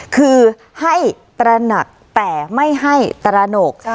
คือให้ตระหนักแต่ไม่ให้ตระหนก